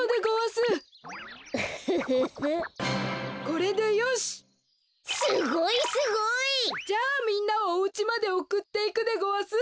すごいすごい！じゃあみんなをおうちまでおくっていくでごわす。